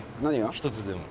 １つでも。